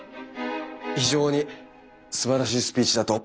非常にすばらしいスピーチだと。